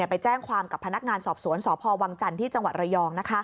ไปแจ้งความกับพนักงานสอบสวนสพวังจันทร์ที่จังหวัดระยอง